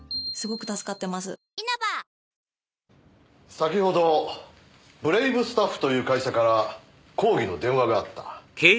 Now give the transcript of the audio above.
先ほどブレイブスタッフという会社から抗議の電話があった。